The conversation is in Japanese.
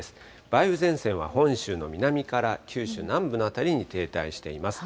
梅雨前線は本州の南から九州南部の辺りに停滞しています。